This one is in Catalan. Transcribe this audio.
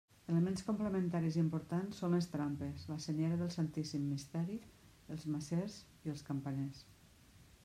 Elements complementaris importants són les trampes, la senyera del Santíssim Misteri, els macers i campaners.